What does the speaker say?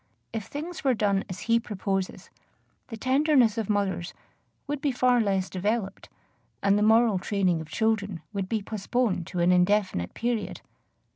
If things were done as he proposes, the tenderness of mothers would be far less developed, and the moral training of children would be postponed to an indefinite period.